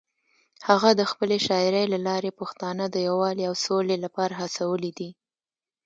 هغه د خپلې شاعرۍ له لارې پښتانه د یووالي او سولې لپاره هڅولي دي.